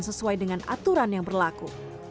sesuai dengan aturan yang berlaku